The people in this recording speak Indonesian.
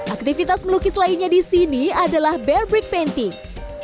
aktivitas melukis lainnya di sini adalah bare brick painting